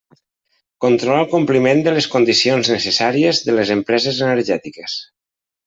Controla el compliment de les condicions necessàries de les empreses energètiques.